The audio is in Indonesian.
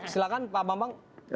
silahkan pak bambang